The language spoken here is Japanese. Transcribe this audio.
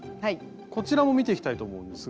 こちらも見ていきたいと思うんですが。